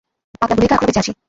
পাকনা বলেই তো এখনও বেঁচে আছি।